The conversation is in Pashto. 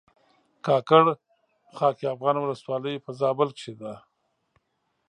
کاکړ خاک افغان ولسوالۍ په زابل کښې ده